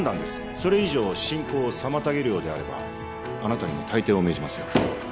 それ以上進行を妨げるようであればあなたにも退廷を命じますよ